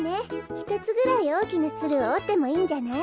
ひとつぐらいおおきなツルをおってもいいんじゃない？